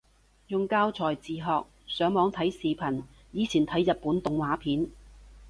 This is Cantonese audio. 用教材自學，上網睇視頻，以前睇日本動畫片